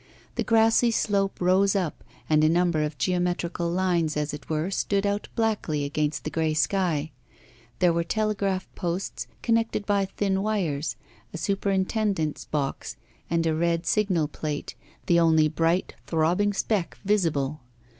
The grassy slope rose up, and a number of geometrical lines, as it were, stood out blackly against the grey sky; there were telegraph posts, connected by thin wires, a superintendent's box, and a red signal plate, the only bright throbbing speck visible.